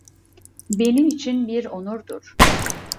Benim için bir onurdur.